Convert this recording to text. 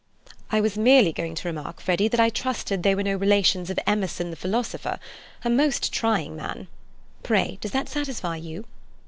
"I was merely going to remark, Freddy, that I trusted they were no relations of Emerson the philosopher, a most trying man. Pray, does that satisfy you?"